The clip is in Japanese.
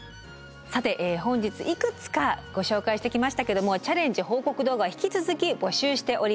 さて本日いくつかご紹介してきましたけどもチャレンジ報告動画は引き続き募集しております。